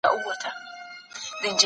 موږ خبري ژر – ژر کوو.